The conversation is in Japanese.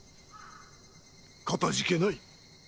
かたじけない。